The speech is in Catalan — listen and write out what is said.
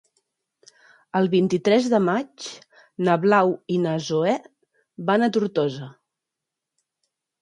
El vint-i-tres de maig na Blau i na Zoè van a Tortosa.